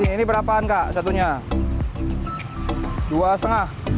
ini berapaan kak satunya